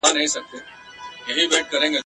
چي اسمان ته پورته کېږي له غروره !.